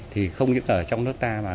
thì không những ở trong nước ta mà